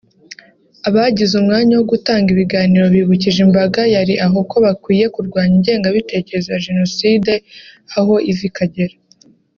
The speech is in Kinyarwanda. Abagize umwanya wo gutanga ibiganiro bibukije imbaga yari aho ko bakwiye kurwanya ingengabitekerezo ya Jenocide aho iva ikagera